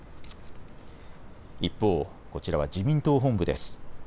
一方、こちらは自民党本部です。